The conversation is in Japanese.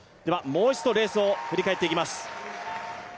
もう一度レースを振り返っていきます。